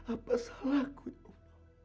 apa salahku ya allah